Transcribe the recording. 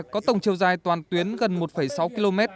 có tổng chiều dài toàn tuyến gần một sáu km